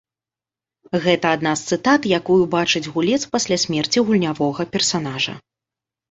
Гэта адна з цытат, якую бачыць гулец пасля смерці гульнявога персанажа.